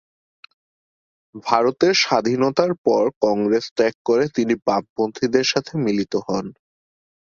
ভারতের স্বাধীনতার পর কংগ্রেস ত্যাগ করে তিনি বামপন্থীদের সাথে মিলিত হন।